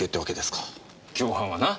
共犯はな。